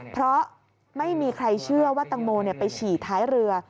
เพราะไม่มีใครเชื่อว่าตังโมไปฉี่ท้ายเรือ